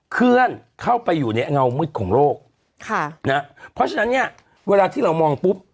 เคลื่อนเข้าไปอยู่ในเงามืดของโลกค่ะนะเพราะฉะนั้นเนี่ยเวลาที่เรามองปุ๊บ